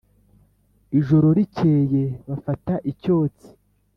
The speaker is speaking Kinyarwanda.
ijoro ricyeye bafata icyotsi